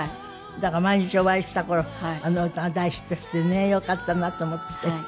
だから毎日お会いした頃あの歌が大ヒットしてねよかったなと思って。